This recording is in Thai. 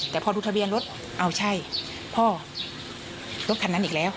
แต่พอดูทะเบียนรถเอาใช่พ่อรถคันนั้นอีกแล้ว